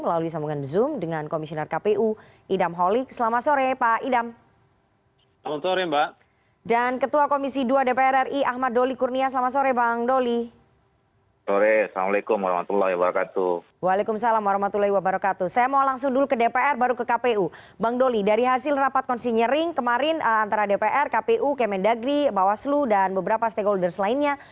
antara dpr kpu kemendagri bawaslu dan beberapa stakeholders lainnya